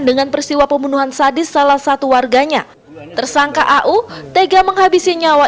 dengan peristiwa pembunuhan sadis salah satu warganya tersangka au tega menghabisi nyawa